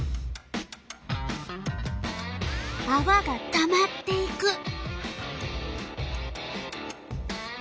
あわがたまっていく。